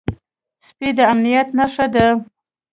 سپي د امنيت نښه ده.